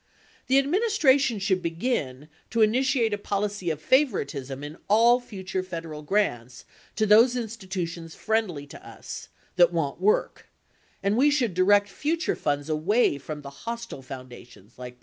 "The administration should begin to initiate a policy of favoritism in all future Federal grants to those institutions friendly to us, that want work — and we should direct future funds away from the hostile foundations, like Brookings."